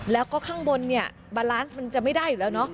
แล้วก็ข้างบนเนี่ยบาลานซ์มันจะไม่ได้อยู่แล้วเนาะ